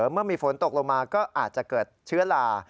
เมื่อมีฝนตกลงมาก็อาจจะเกิดเชื้อลา